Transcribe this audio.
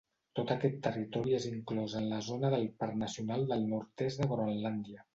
Tot aquest territori és inclòs en la zona del Parc Nacional del Nord-est de Groenlàndia.